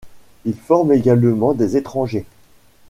Il forme également des étrangers.